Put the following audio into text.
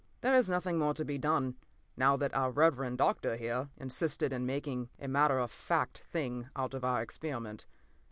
"There is nothing more to be done, now that our reverend doctor has insisted in making a matter of fact thing out of our experiment.